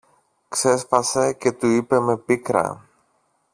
ξέσπασε και του είπε με πίκρα.